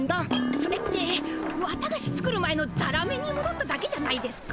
それってわたがし作る前のザラメにもどっただけじゃないですか？